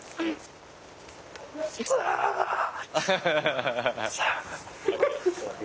ハハハハ。